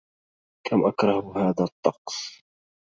كم أكره هذا الطقس!